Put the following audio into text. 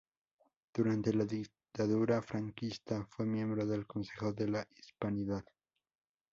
Durante la dictadura franquista fue miembro del Consejo de la Hispanidad.